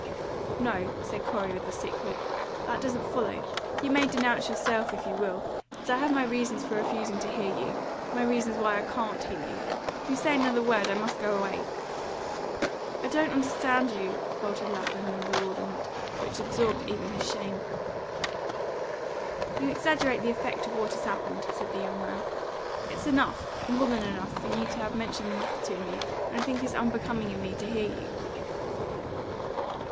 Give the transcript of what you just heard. "No," said Corey, with a sick look, "that doesn't follow. You may denounce yourself, if you will; but I have my reasons for refusing to hear you my reasons why I CAN'T hear you. If you say another word I must go away." "I don't understand you," faltered Lapham, in bewilderment, which absorbed even his shame. "You exaggerate the effect of what has happened," said the young man. "It's enough, more than enough, for you to have mentioned the matter to me, and I think it's unbecoming in me to hear you."